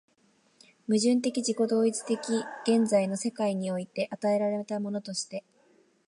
矛盾的自己同一的現在の世界において与えられたものとして、